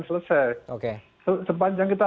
selesai oke sepanjang kita